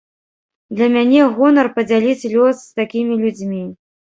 Для мяне гонар падзяліць лёс з такімі людзьмі.